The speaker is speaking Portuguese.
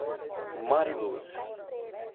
Mariluz